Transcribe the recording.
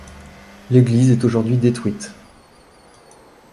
L'église est aujourd'hui détruite.